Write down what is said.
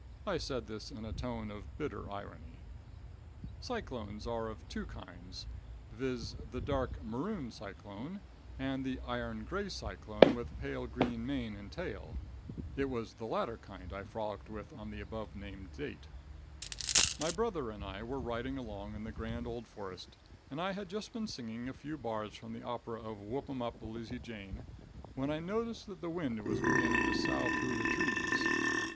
I said this in a tone of bitter irony. Cyclones are of two kinds, viz: the dark maroon cyclone; and the iron gray cyclone with pale green mane and tail. It was the latter kind I frolicked with on the above named date. My brother and I were riding along in the grand old forest, and I had just been singing a few bars from the opera of "Whoop 'em Up, Lizzie Jane," when I noticed that the wind was beginning to sough through the trees.